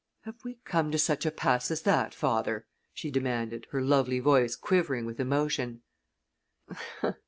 "Have we come to such a pass as that, father?" she demanded, her lovely voice quivering with emotion.